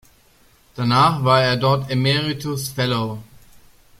Danach war er dort Emeritus Fellow.